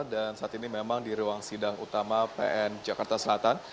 dan saat ini memang di ruang sidang utama pn jakarta selatan